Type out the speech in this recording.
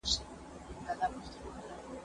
درسونه د زده کوونکي له خوا اورېدلي کيږي،